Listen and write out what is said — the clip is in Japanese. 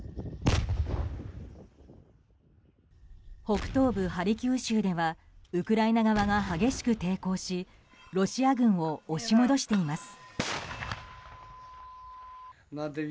北東部ハルキウ州ではウクライナ側が激しく抵抗しロシア軍を押し戻しています。